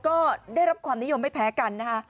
ก็ได้รับความนิยมไม่แพ้กันนะคะ